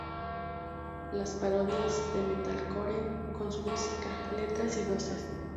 Las parodias de Metalcore con su música, letras y voces.